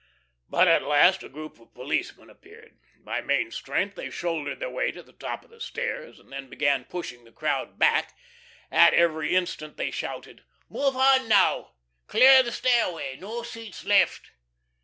But, at last, a group of policemen appeared. By main strength they shouldered their way to the top of the stairs, and then began pushing the crowd back. At every instant they shouted: "Move on now, clear the stairway. No seats left!"